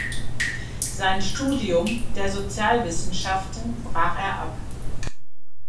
Sein Studium der Sozialwissenschaften brach er ab.